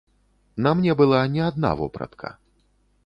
На мне была не адна вопратка.